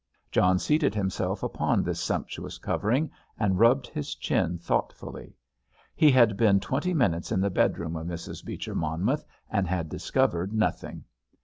John seated himself upon this sumptuous covering and rubbed his chin thoughtfully. He had been twenty minutes in the bedroom of Mrs. Beecher Monmouth, and had discovered nothing.